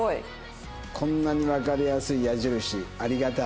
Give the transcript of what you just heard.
こんなにわかりやすい矢印ありがたい。